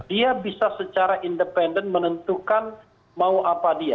dia bisa secara independen menentukan mau apa dia